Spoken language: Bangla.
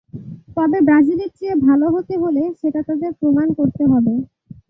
তবে ব্রাজিলের চেয়ে ভালো হতে হলে সেটা তাদের প্রমাণ করতে হবে।